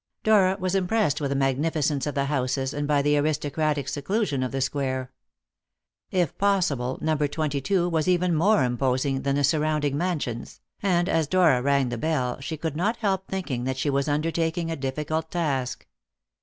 Dora was impressed with the magnificence of the houses and by the aristocratic seclusion of the square. If possible, No. 22 was even more imposing than the surrounding mansions, and as Dora rang the bell she could not help thinking that she was undertaking a difficult task.